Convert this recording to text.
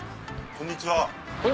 こんにちは。